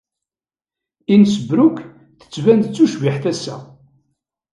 Innsbruck tettban-d d tucbiḥt ass-a.